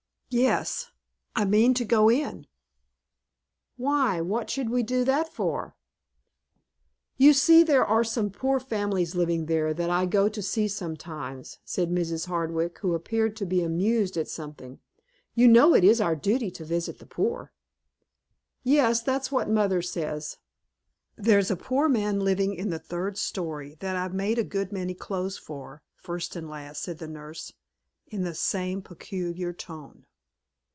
"Yes, I mean to go in." "Why, what should we do that for?" "You see there are some poor families living there that I go to see sometimes," said Mrs. Hardwick, who appeared to be amused at something. "You know it is our duty to visit the poor." "Yes, that's what mother says." "There's a poor man living in the third story that I've made a good many clothes for, first and last," said the nurse, in the same peculiar tone.